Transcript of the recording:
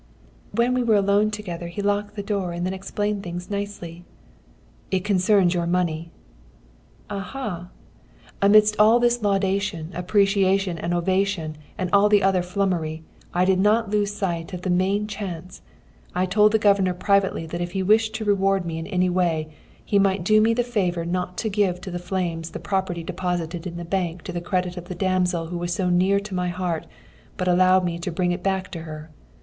"When we were alone together he locked the door and then explained things nicely. "'It concerns your money.' "'Aha!' "'Amidst all this laudation, appreciation, and ovation, and all the other flummery, I did not lose sight of the main chance. I told the Governor privately that if he wished to reward me in any way, he might do me the favour not to give to the flames the property deposited in the bank to the credit of the damsel who was so near to my heart, but allow me to bring it back to her.